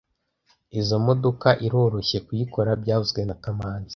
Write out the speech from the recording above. Izoi modoka iroroshye kuyikora byavuzwe na kamanzi